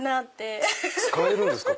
使えるんですか？